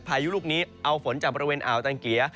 พายุลูกนี้เอาฝนจากบริเวณอ่าวตังเกีย